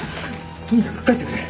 とにかく帰ってくれ！